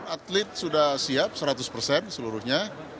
delapan atlet sudah siap seratus persen seluruhnya